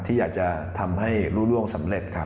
ที่อยากจะทำให้ร่วงสำเร็จครับ